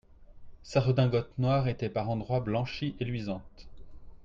Sa redingote noire était par endroits blanchie et luisante.